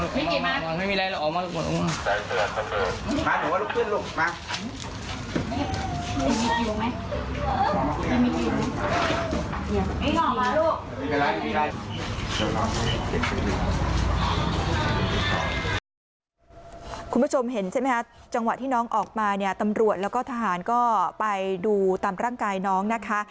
คุณผู้ชมเห็นใช่ไหมคะจังหวะที่น้องออกมาเนี่ยตำรวจแล้วก็ทหารก็ไปดูตามร่างกายน้องนะคะ